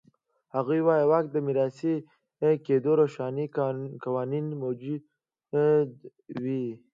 هغه وایي واک د میراثي کېدو روښانه قوانین موجود و.